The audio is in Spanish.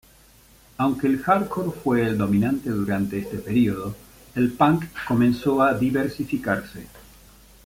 Aunque el hardcore fue el dominante durante este período, el punk comenzó a diversificarse.